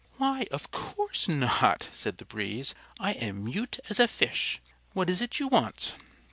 "Why, of course not," said the Breeze. "I am mute as a fish. What is it you want?"